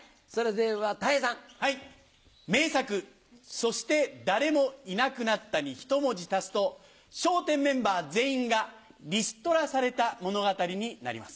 『そして誰もいなくなった』にひと文字足すと笑点メンバー全員がリストラされた物語になります。